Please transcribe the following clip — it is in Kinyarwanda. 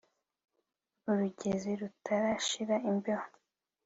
Urugezi rutarashira imbeho.